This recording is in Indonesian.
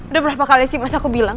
udah berapa kali sih mas aku bilang